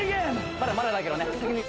まだまだだけどね先に